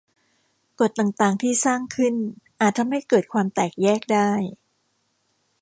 กฎต่าง ๆ ที่สร้างขึ้น อาจทำให้เกิดความแตกแยกได้